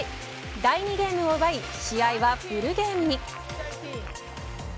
第２ゲームを奪い試合はフルゲームに。